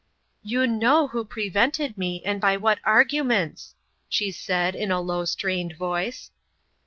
" You know who prevented me, and by what arguments !" she said, in a low strained voice.